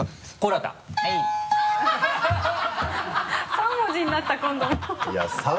３文字になった今度